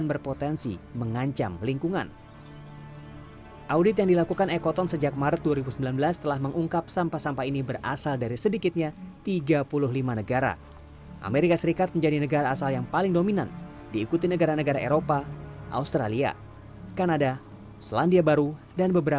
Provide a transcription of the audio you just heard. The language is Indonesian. kertas bekas ini tidak hanya memiliki kertas bekas tetapi juga memiliki kertas yang berbeda